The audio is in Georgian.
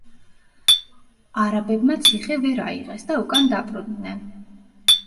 არაბებმა ციხე ვერ აიღეს და უკან დაბრუნდნენ.